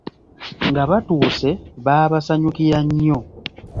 Nga batuuse, baabasanyukira nnyo.